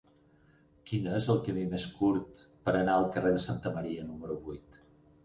Quin és el camí més curt per anar al carrer de Santa Maria número vuit?